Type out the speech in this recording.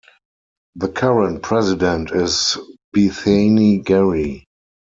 The current President is Bethany Gary.